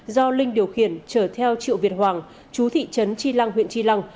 do linh điều khiển trở theo triệu việt hoàng chú thị trấn tri lăng huyện tri lăng